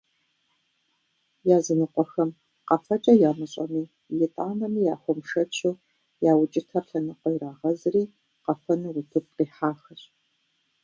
Языныкъуэхэм къэфэкӏэ ямыщӏэми, итӏанэми яхуэмышэчу, я укӏытэр лъэныкъуэ ирагъэзри къэфэну утыку къихьахэщ.